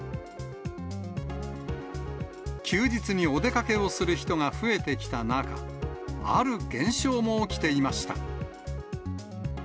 休日にお出かけをする人が増えてきた中、ある現象も起きていました。